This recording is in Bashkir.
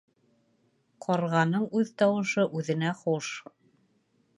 Ҡарғаның үҙ тауышы үҙенә хуш.